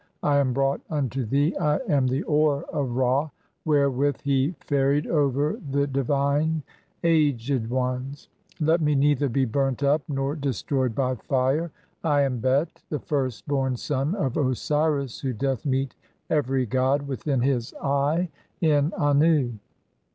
I am brought unto thee, I am the "oar of Ra (3) wherewith he ferried over the divine aged ones ; "let me neither be burnt up nor destroyed by fire. I am Bet, "the first born son of Osiris, who doth meet every god (4) within "his Eye in Annu.